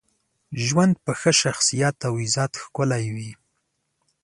ژوند په ښه شخصیت او عزت ښکلی وي.